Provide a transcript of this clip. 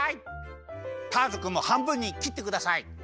ターズくんもはんぶんにきってください！